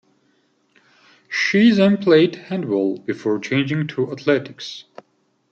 She then played handball before changing to athletics.